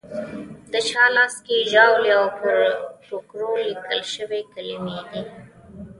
د چا لاس کې ژاولي او پر ټوکرو لیکل شوې کلیمې دي.